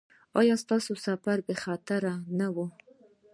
ایا ستاسو سفر بې خطره نه و؟